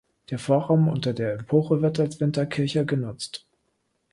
Der Vorraum unter der Empore wird als Winterkirche genutzt.